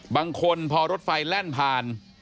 บางคนพอรถไฟแล่นผ่าน